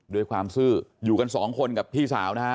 ด้วยความซื่ออยู่กันสองคนกับพี่สาวนะฮะ